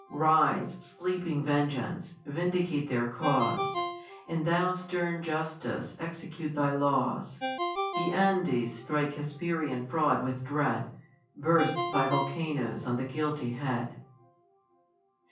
Rise, sleeping vengeance ! vindicate their cause ; And thou, stern justice, execute thy law\s : Ye Afldes, strike Hesperian fraud with dread, Burst thy volcanoes on tlie guilty head